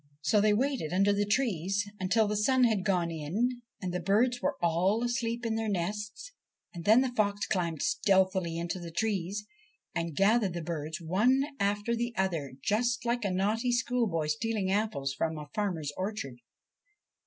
So they waited under the trees until the sun had gone in and the birds were all asleep in their nests, and then the fox climbed stealthily into the trees and gathered the birds one after the other, just like a naughty schoolboy stealing apples from a farmer's orchard.